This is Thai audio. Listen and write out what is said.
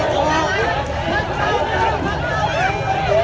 สวัสดีครับทุกคน